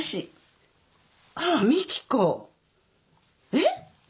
えっ？